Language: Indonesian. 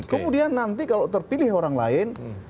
kemudian nanti kalau terpilih orang lain